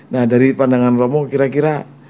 nah dari pandangan bapak kira kira